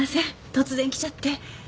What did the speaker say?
突然来ちゃって。